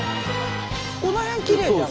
この辺きれいじゃない？